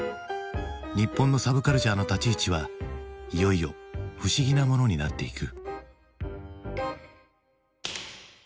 日本のサブカルチャーの立ち位置はいよいよ不思議なものになっていく。